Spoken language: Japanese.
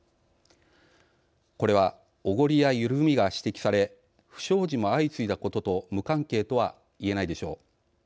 これはおごりや緩みが指摘され不祥事も相次いだことと無関係とは言えないでしょう。